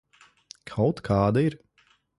Kaut kāda ir.